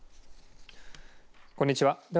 こんにちは。